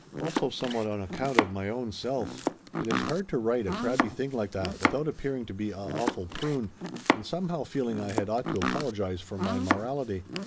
Also somewhat on account of my own self. It is hard to write a crabby thing like that without appearing to be a awful prune, and somehow feeling I had ought to apologize for my morality.